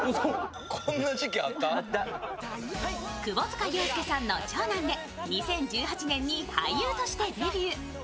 窪塚洋介さんの長男で２０１８年に俳優としてデビュー。